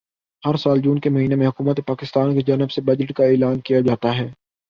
ہر سال جون کے مہینے میں حکومت پاکستان کی جانب سے بجٹ کا اعلان کیا جاتا ہے